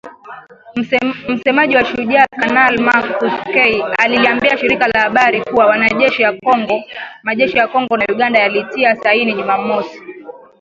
Msemaji wa Shujaa, Kanali Mak Hazukay aliliambia shirika la habari kuwa majeshi ya Kongo na Uganda yalitia saini Juma mosi